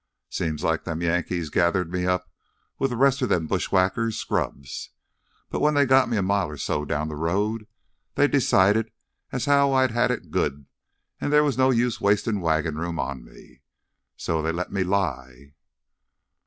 Seems like them Yankees gathered me up with th' rest of them bushwacker scrubs, but when they got me a mile or so down th' road they decided as how I'd had it good an' there was no use wastin' wagon room on me. So they let me lie....